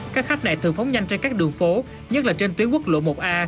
các khách này thường phóng nhanh trên các đường phố nhất là trên tuyến quốc lộ một a